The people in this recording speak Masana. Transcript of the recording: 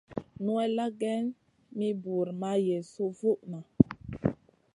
Nowella geyn mi buur ma yesu vuʼna.